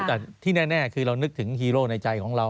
แต่ที่แน่คือเรานึกถึงฮีโร่ในใจของเรา